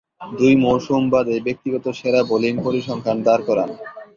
দুই মৌসুম বাদে ব্যক্তিগত সেরা বোলিং পরিসংখ্যান দাঁড় করান।